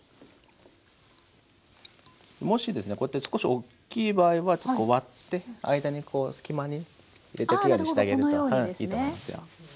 もしですねこうやって少しおっきい場合はこう割って間に隙間に入れてきれいにしてあげるといいと思いますよ。